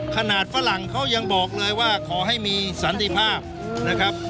ฝรั่งเขายังบอกเลยว่าขอให้มีสันติภาพนะครับ